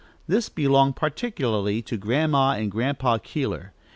This belonged peculiarly to Grandma and Grandpa Keeler.